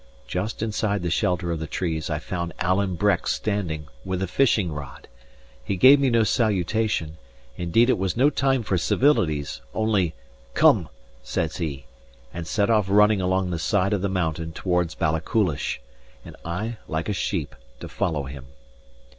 Just inside the shelter of the trees I found Alan Breck standing, with a fishing rod. He gave me no salutation; indeed it was no time for civilities; only "Come!" says he, and set off running along the side of the mountain towards Balachulish; and I, like a sheep, to follow him.